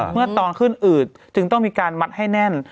เมื่อตอนขึ้นอืดจึงต้องมีการมัดให้แน่น